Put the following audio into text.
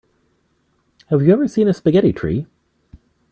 Have you ever seen a spaghetti tree?